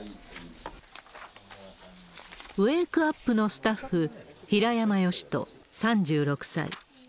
ウェークアップのスタッフ、平山義隼３６歳。